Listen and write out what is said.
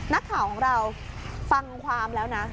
นักข่าวของเราฟังความแล้วนะ